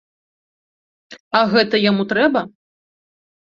А гэта яму трэба?